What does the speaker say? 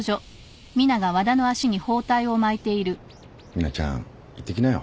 ミナちゃん行ってきなよ。